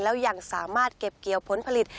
แล้วยังสามารถเก็บเกี่ยวผลผลิต